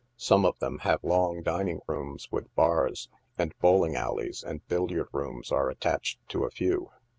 Some of them have long dining rooms, with bars 5 and bowling alleys and billiard rooms are attached to a few.